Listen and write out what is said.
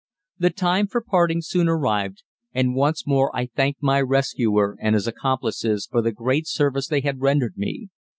The time for parting soon arrived, and once more I thanked my rescuer and his accomplices for the great service they had rendered me.